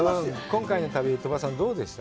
今回の旅、鳥羽さん、どうでした？